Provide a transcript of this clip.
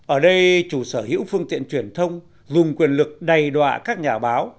ở đây chủ sở hữu phương tiện truyền thông dùng quyền lực đầy đoạa các nhà báo